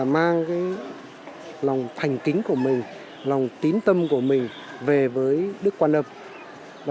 mang lòng thành kính của mình lòng tín tâm của mình về với đức quan âm